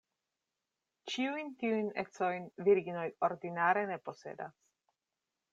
Ĉiujn tiujn ecojn virinoj ordinare ne posedas.